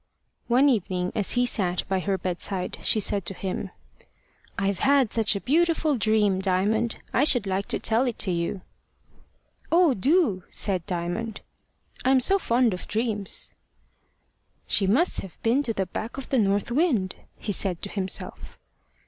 One evening, as he sat by her bedside, she said to him: "I've had such a beautiful dream, Diamond! I should like to tell it you." "Oh! do," said Diamond; "I am so fond of dreams!" "She must have been to the back of the north wind," he said to himself.